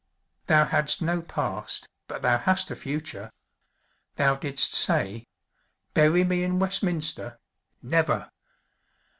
"Thou hadst no Past, but thou hast a Future. Thou didst say: 'Bury me in Westminster, never!